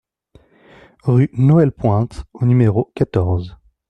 Rue Noël Pointe au numéro quatorze